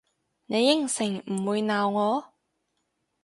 你應承唔會鬧我？